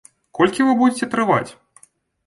Колькі вы будзеце трываць?